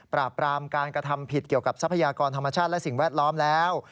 ปราบปรามการกระทำผิดเกี่ยวกับทรัพยากรธรรมชาติและสิ่งแวดล้อมแล้ว